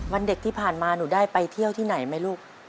วันเด็กที่ผ่านมาหนูได้ไปเที่ยวที่ไหนไหมลูก